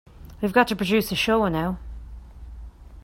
We've got to produce a show now.